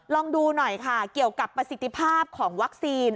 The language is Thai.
ลองดูหน่อยค่ะเกี่ยวกับประสิทธิภาพของวัคซีน